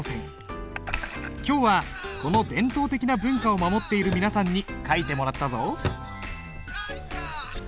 今日はこの伝統的な文化を守っている皆さんに書いてもらったぞ。